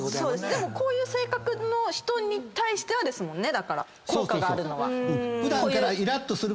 でもこういう性格の人に対してはですもんねだから。効果があるのは。